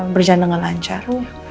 berjalan dengan lancar